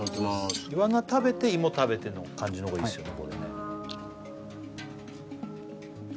イワナ食べて芋食べての感じのほうがいいですよね？